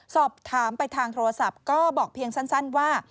สอบถามไปทางโทรศัพท์ก็บอกเพียงสั้นว่า